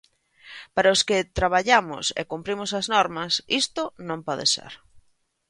Para os que traballamos e cumprimos as normas, isto non pode ser.